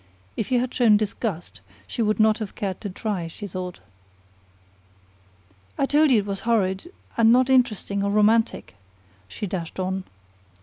If he had shown disgust, she would not have cared to try, she thought. "I told you it was horrid, and not interesting or romantic," she dashed on.